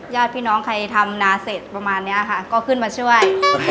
ญาติพี่น้องใครทำนาเสร็จประมาณนี้ค่ะก็ขึ้นมาช่วย